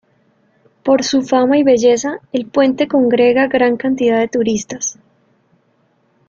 Por su fama y belleza, el puente congrega gran cantidad de turistas.